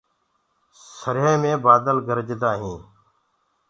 سرهي مي بآدل گرجدآ هينٚ